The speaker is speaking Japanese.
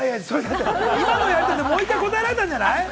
今のやり取りで、もう１回答えられたんじゃない？